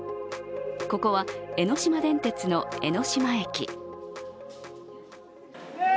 ここは江ノ島電鉄の江ノ島駅。